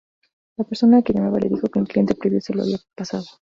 La persona que llamaba le dijo que un cliente previo se lo había pasado.